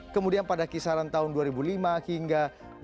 kemudian pada kisaran tahun dua ribu lima hingga dua ribu dua